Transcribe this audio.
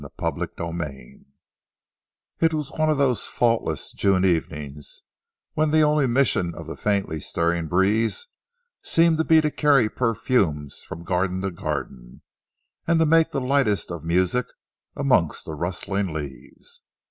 CHAPTER XVIII It was one of those faultless June evenings when the only mission of the faintly stirring breeze seems to be to carry perfumes from garden to garden and to make the lightest of music amongst the rustling leaves.